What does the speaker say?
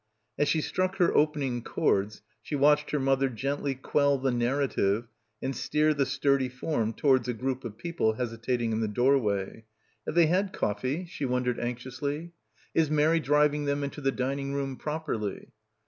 As she struck her opening chords she watched her mother gently quell the narrative and steer the sturdy form towards a group of people hesi tating in the doorway. "Have they had coffee?" she wondered anxiously. "Is Mary driving them into the dining room properly?"